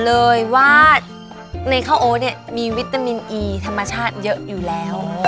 เลยว่าในข้าวโอ๊ตเนี่ยมีวิตามินอีธรรมชาติเยอะอยู่แล้ว